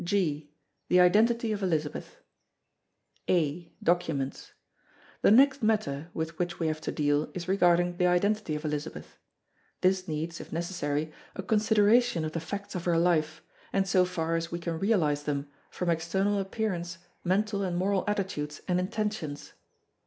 G. THE IDENTITY OF ELIZABETH (a) Documents The next matter with which we have to deal is regarding the identity of Elizabeth. This needs (if necessary) a consideration of the facts of her life, and so far as we can realise them, from external appearance, mental and moral attitudes, and intentions.